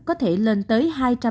có thể lên tới hai trăm năm mươi